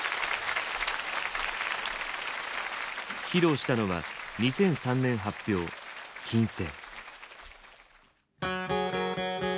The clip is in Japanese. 披露したのは２００３年発表「金星」。